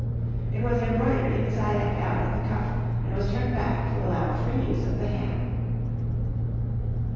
It was embroidered inside and out at the cuff, and was turned back to allow free use of the hand.